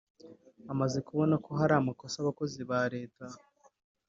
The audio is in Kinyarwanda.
Amaze kubona ko hari amakosa abakozi ba Leta